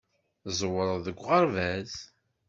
Tẓewreḍ deg uɣerbaz.